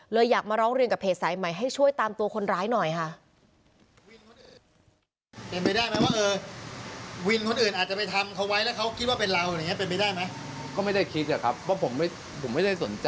อยากมาร้องเรียนกับเพจสายใหม่ให้ช่วยตามตัวคนร้ายหน่อยค่ะ